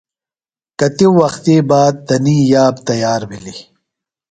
کتیۡ وختیۡ باد تنی یاب تیار بِھلیۡ۔